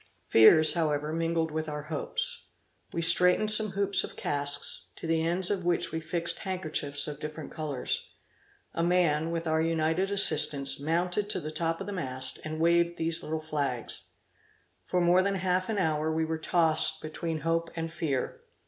Fears, however, mingled with our hopes. We straightened some hoops of casks, to the ends of which we fixed handkerchiefs of different colors. A man, with our united assistance, mounted to the top of the mast, and waved these little flags. For more than half an hour, we were tossed between hope and fear.